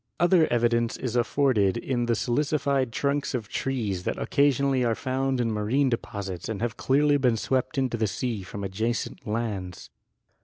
Other evidence is afforded in the silicified trunks of trees that occasionally are found in marine de posits and have clearly been swept into the sea from adjacent lands.